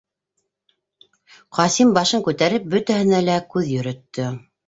Ҡасим башын күтәреп, бөтәһенә лә күҙ йөрөттө.